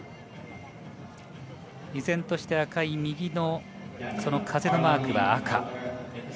依然として赤い右の風のマークは赤。